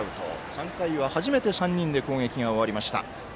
３回は初めて３人で攻撃が終わりました。